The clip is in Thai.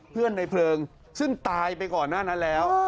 ในเพลิงซึ่งตายไปก่อนหน้านั้นแล้ว